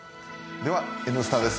では「Ｎスタ」です。